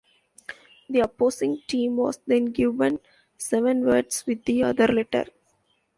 The opposing team was then given seven words with the other letter.